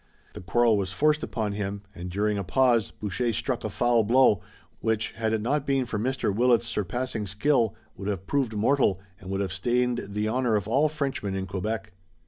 The quarrel was forced upon him, and, during a pause, Boucher struck a foul blow, which, had it not been for Mr. Willet's surpassing skill, would have proved mortal and would have stained the honor of all Frenchmen in Quebec.